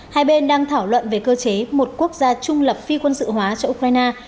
hai bên đang thảo luận về cơ chế một quốc gia trung lập phi quân sự hóa cho ukraine